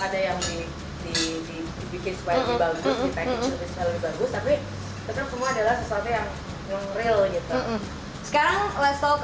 ada yang di bikin swelvi bagus tapi tetap semua adalah sesuatu yang real gitu sekarang let's talk